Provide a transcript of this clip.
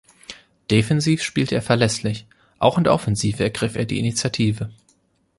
Defensiv spielte er verlässlich, auch in der Offensive ergriff er die Initiative.